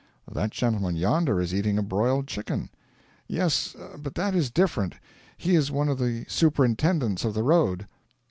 'That gentleman yonder is eating a broiled chicken.' 'Yes, but that is different. He is one of the superintendents of the road.'